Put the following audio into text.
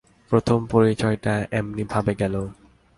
প্রথম পরিচয়টা এমনি ভাবে গেল।